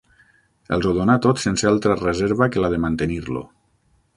Els ho donà tot sense altra reserva que la de mantenir-lo.